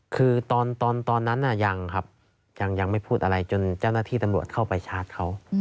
คือตอนนั้นยังครับยังไม่พูดอะไรจนเจ้าหน้าที่ตำรวจเข้าไปชาร์จเขา